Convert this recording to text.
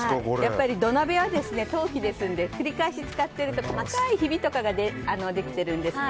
土鍋は陶器ですので繰り返し使っていると細かいひびとかができてるんですね。